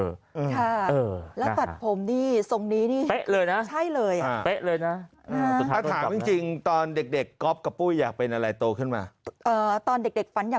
ค่ะแล้วตัดผมนี่ทรงนี้นี่เป๊ะเลยนะ